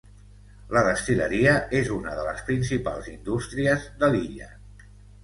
La destil·leria és una de les principals indústries de l'illa.